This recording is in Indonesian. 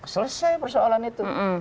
selesai persoalan itu